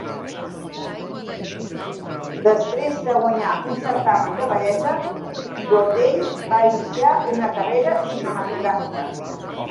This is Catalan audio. Després de guanyar un certamen de bellesa, Blondell va iniciar una carrera cinematogràfica.